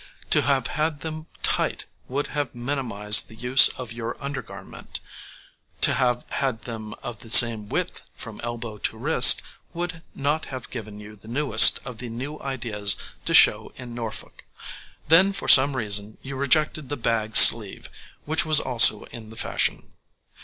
To have had them tight would have minimized the use of your undergarment; to have had them of the same width from elbow to wrist would not have given you the newest of the new ideas to show in Norfolk; then, for some reason, you rejected the bag sleeve, which was also in the fashion.